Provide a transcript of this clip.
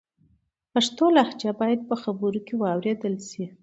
پښتو لهجه باید په خبرو کې و اورېدل سي.